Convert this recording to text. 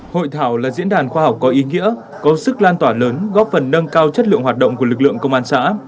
hội thảo là diễn đàn khoa học có ý nghĩa có sức lan tỏa lớn góp phần nâng cao chất lượng hoạt động của lực lượng công an xã